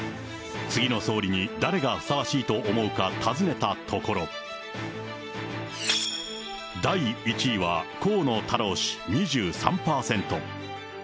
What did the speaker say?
次の総理に誰がふさわしいと思うか尋ねたところ、第１位は、河野太郎氏２３％。